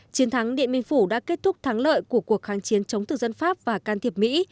chiến thắng điện biên phủ đã kết thúc thắng lợi của cuộc kháng chiến chống tự dân pháp và can thiệp mỹ